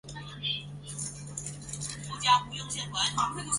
孙傅与何对此深信不疑。